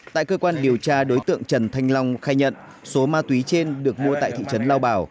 tại cơ quan điều tra đối tượng trần thanh long khai nhận số ma túy trên được mua tại thị trấn lao bảo